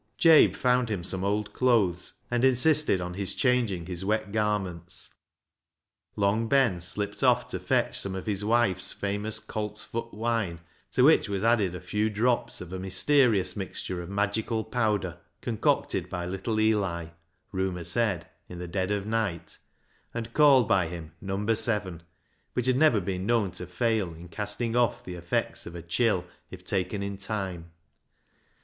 Jabe found him some old clothes, and insisted on his changing his wet garments. Long Ben slipped off to fetch some of his wife's famous coltsfoot wine, to v/hich was added a few drops of a mysterious mixture of magical power, concocted by little Eli — rumour said in the dead of night — and called 398 BECKSIDE LIGHTS by him " Number Seven," which had never been known to fail in casting off the effects of a chill if taken in time.